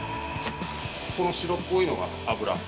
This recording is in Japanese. この白っぽいのが油。